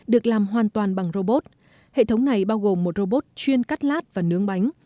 được làm hoàn toàn bằng robot hệ thống này bao gồm một robot chuyên cắt lát và nướng bánh